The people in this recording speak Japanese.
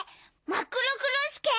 マックロクロスケ？